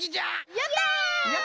やった！